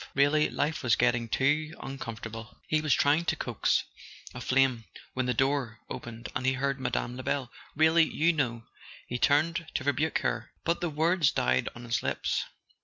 Really, life was getting too uncomfortable. .. He w T as trying to coax a flame when the door opened and he heard Mme. Lebel. "Really, you know " he turned to rebuke her; but the words died on his lips.